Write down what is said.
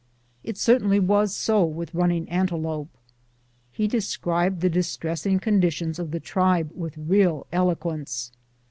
It certainly was so with Running Antelope. He described the distressing condition of the tribe with real eloquence.